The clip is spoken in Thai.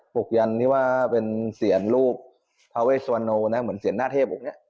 ปลูกยันต์นี่ว่าเป็นเศียรรูปพระเวชวโวนะเหมือนเศียรหน้าเทพอุ่งเนี่ย